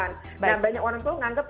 nah banyak orang tua menganggap